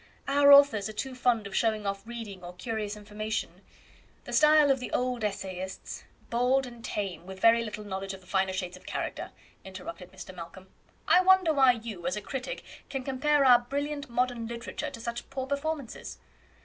Our authors are too fond of showing off reading or curious information; the style of the old essayists " "Bald and tame, with very little knowledge of the finer shades of character," interrupted Mr. Malcolm. "I wonder why you, as a critic, can compare our brilliant modern literature to such poor performances."